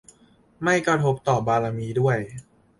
ไม่กระทบต่อบารมีด้วย !